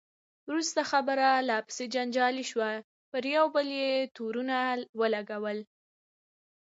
وروسته خبره لا پسې جنجالي شوه، پر یو بل یې تورونه ولګول.